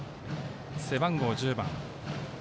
背番号１０番。